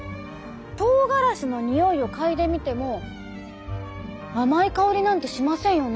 とうがらしのにおいを嗅いでみても甘い香りなんてしませんよね？